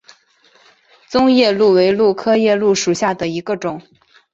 棕夜鹭为鹭科夜鹭属下的一个种。